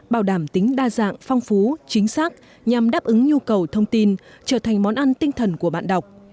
bảo đảm tính đa dạng phong phú chính xác nhằm đáp ứng nhu cầu thông tin trở thành món ăn tinh thần của bạn đọc